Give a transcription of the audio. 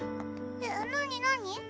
えなになに？